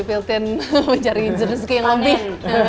tapi pplten mencari rezeki yang lebih